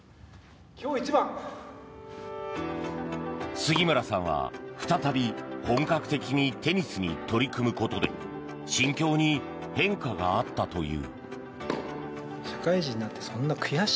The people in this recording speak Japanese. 杉村さんは再び本格的にテニスに取り組むことで心境に変化があったという。